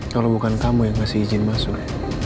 kalo bukan kamu yang kasih izin masuk